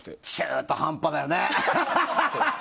中途半端だよね。